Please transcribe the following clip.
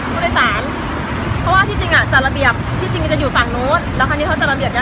เมื่อวันไม่ได้มีทะเลาะอะไรนะ